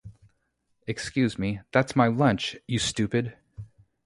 Excuse me, that's my lunch, you stupid!